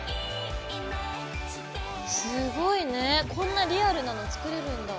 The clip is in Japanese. すごいねこんなリアルなの作れるんだ。